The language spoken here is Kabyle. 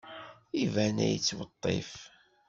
Iban ad yettwiṭṭef.